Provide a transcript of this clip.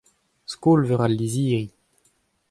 Skol-veur al lizhiri.